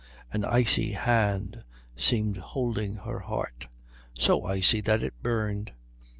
An icy hand seemed holding her heart, so icy that it burned.